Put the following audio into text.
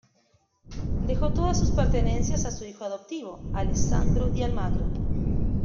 Dejó todas sus pertenencias a su hijo adoptivo, Alessandro Di Almagro.